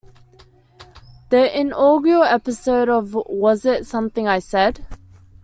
The inaugural episode of Was It Something I Said?